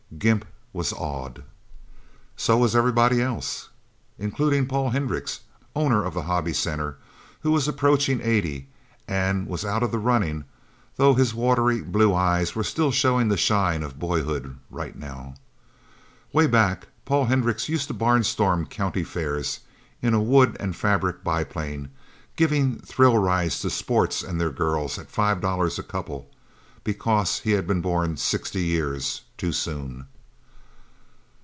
Gimp was awed. So was everybody else, including Paul Hendricks, owner of the Hobby Center, who was approaching eighty and was out of the running, though his watery blue eyes were still showing the shine of boyhood, right now. Way back, Paul Hendricks used to barnstorm county fairs in a wood and fabric biplane, giving thrill rides to sports and their girls at five dollars a couple, because he had been born sixty years too soon.